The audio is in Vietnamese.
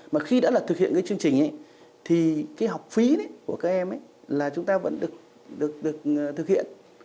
mà khi đã thực hiện cái chương trình thì cái học phí của các em là chúng ta vẫn được thực hiện